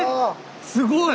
すごい！